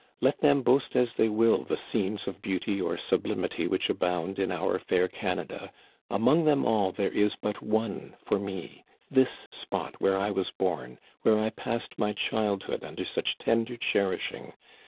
Let them boast as they will the scenes of beauty or sublimity which abound in our fair Canada, among them all there is but one for •me, this spot where I was bom, where I passed my childhood under such tender cherishing